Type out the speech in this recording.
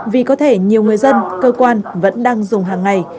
vì có thể nhiều người dân cơ quan vẫn đang dùng hàng ngày